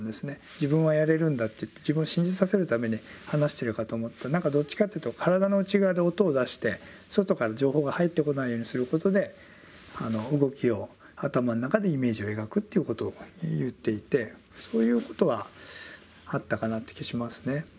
「自分はやれるんだ」って言って自分を信じさせるために話してるかと思ったらどっちかっていうと体の内側で音を出して外から情報が入ってこないようにすることで動きを頭の中でイメージを描くっていうことを言っていてそういうことはあったかなっていう気はしますね。